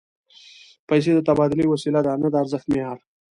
پیسې د تبادلې وسیله ده، نه د ارزښت معیار